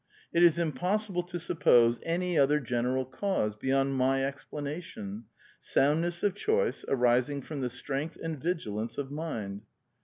It is impossible to suppose any other general cause, beyond my explanation — soundness of choice arising from the strength and vigilance of mind."